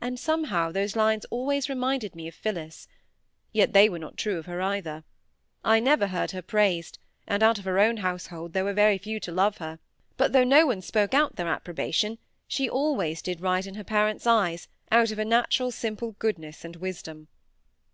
And somehow those lines always reminded me of Phillis; yet they were not true of her either. I never heard her praised; and out of her own household there were very few to love her; but though no one spoke out their approbation, she always did right in her parents' eyes out of her natural simple goodness and wisdom.